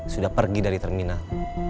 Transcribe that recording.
sudah pergi dari terminal